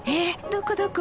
どこどこ？